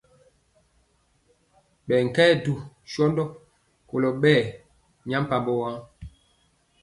Ɓɛ nkye dwɔ sɔndɔ kolɔ ɓɛ nyampambɔ waŋ.